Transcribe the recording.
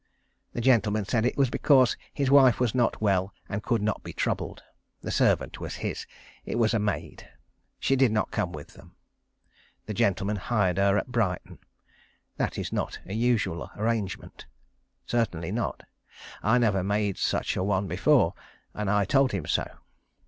The gentleman said it was because his wife was not well, and could not be troubled. The servant was his. It was a maid. She did not come with them. The gentleman hired her at Brighton. That is not a usual arrangement. Certainly not. I never made such a one before, and I told him so.